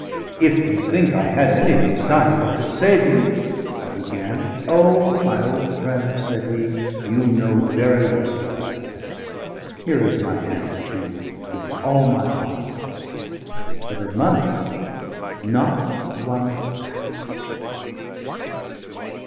"If you think I had any design but to save you " I began. "O! my old friend," said he, "you know very well what I think! Here is my hand to you with all my heart; but of money, not one rap."